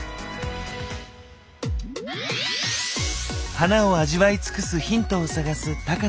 花を味わい尽くすヒントを探す高野さん。